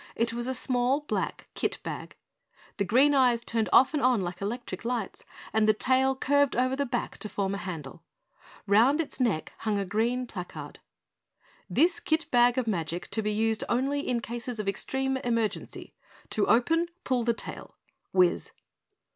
It was a small, black kit bag. The green eyes turned off and on like electric lights, and the tail curved over the back to form a handle. Round its neck hung a green placard: "_This Kit Bag of Magic to be used Only in cases of extreme emergency. To open pull the tail. WIZ.